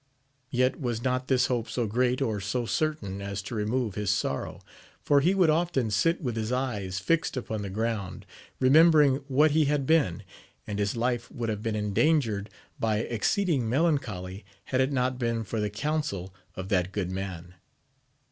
Yet was not this hope so great or so certain as to remove his sorrow, for he would often sit with his eyes fixed upon the ground, remembering what he had been, and his life would have been endangered by ex ceeding melancholy, had it not been for the counsel of that good man.